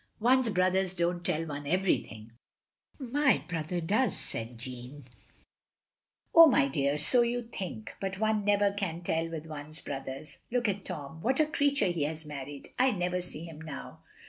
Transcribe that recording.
"One's brothers don't tell one everything." " My brother does, " said Jeanne. OF GROSVENOR SQUARE 179 "Oh, my dear! So you think! But one never can tell with one's brothers. Look at Tom. What a creature he has married. I never see him now.